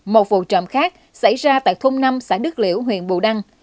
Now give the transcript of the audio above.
một vụ trộm khác xảy ra tại thôn năm xã đức liễu huyện bù đăng